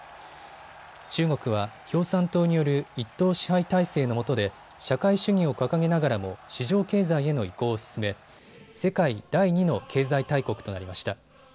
中国は共産党による一党支配体制のもとで社会主義を掲げながらも市場経済への移行を進め世界第２の経済大国となりました。